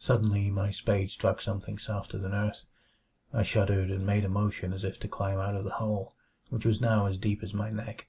Suddenly my spade struck something softer than earth. I shuddered, and made a motion as if to climb out of the hole, which was now as deep as my neck.